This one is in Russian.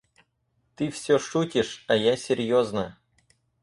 Ты все шутишь, а я серьезно.